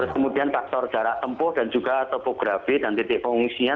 kemudian faktor jarak tempuh dan juga topografi dan titik pengungsinya